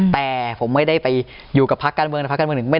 แต่ผมไม่ได้ไปอยู่กับพักการเมืองแต่ภาคการเมืองหนึ่ง